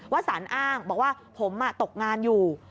สารอ้างบอกว่าผมตกงานอยู่